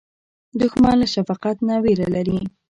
دښمن له شفقت نه وېره لري